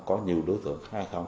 có nhiều đối tượng hay không